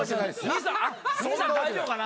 兄さん兄さん大丈夫かな。